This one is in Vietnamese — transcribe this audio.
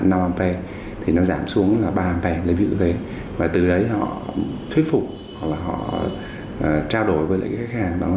năm a thì nó giảm xuống là ba a lấy vị thế và từ đấy họ thuyết phục hoặc là họ trao đổi với các khách hàng